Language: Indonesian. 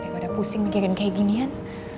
daripada pusing mikirin kayak ginian